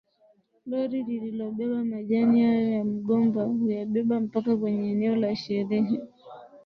Lori lilobeba majani hayo ya mgomba huyabeba mpaka kwenye eneo la sherehe